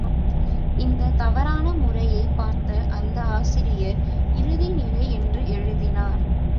இந்தத் தவறான முறையைப் பார்த்த அந்த ஆசிரியர் இறுதினிலை என்று எழுதினார்.